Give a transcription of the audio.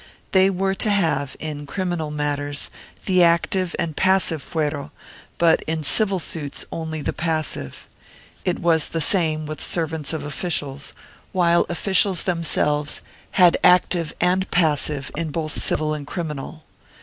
They were to have, in criminal matters, the active and passive fuero but in civil suits only the passive; it was the same with servants of officials, while officials themselves had active and passive in both civil and criminal.